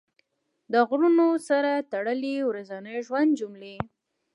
د غرونو سره تړلې ورځني ژوند جملې